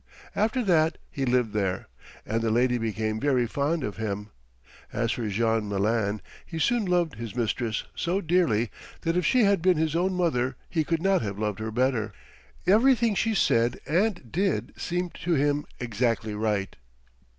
After that he lived there, and the lady became very fond of him. As for Jean Malin, he soon loved his mistress so dearly that if she had been his own mother he could not have loved her better. Everything she said and did seemed to him exactly right.